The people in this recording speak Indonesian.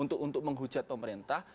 untuk menghujat pemerintah